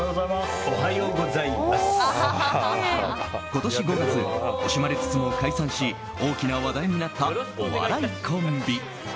今年５月惜しまれつつも解散し大きな話題になったお笑いコンビ。